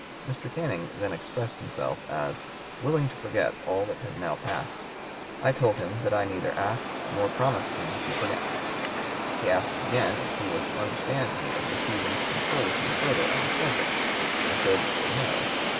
Mr. Canning then expressed himself as "'willing to forget all that had now passed.' I told him that I neither asked nor promised him to forget.... He asked again if he was to understand me as refusing to confer with him further on the subject. I said, 'No.'